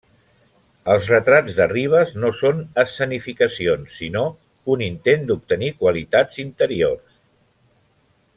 Els retrats de Rivas no són escenificacions sinó un intent d'obtenir qualitats interiors.